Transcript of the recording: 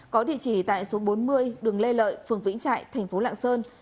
có địa chỉ tại số bốn mươi đường lê lợi phường vĩnh trại tp lạng sơn